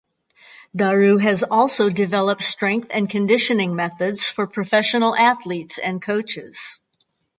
Daru has also developed strength and conditioning methods for professional athletes and coaches.